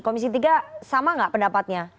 komisi tiga sama nggak pendapatnya